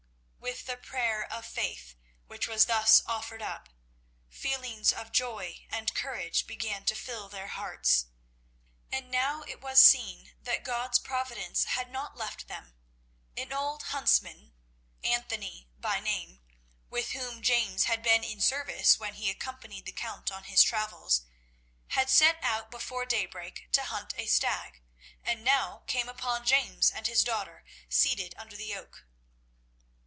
With the prayer of faith, which was thus offered up, feelings of joy and courage began to fill their hearts. And now it was seen that God's providence had not left them. An old huntsman Anthony by name with whom James had been in service when he accompanied the Count on his travels, had set out before daybreak to hunt a stag, and now came upon James and his daughter seated under the oak.